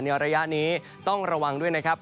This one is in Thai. ระยะนี้ต้องระวังด้วยนะครับ